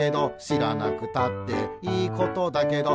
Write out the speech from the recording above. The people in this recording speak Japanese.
「しらなくたっていいことだけど」